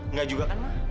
nggak juga kan ma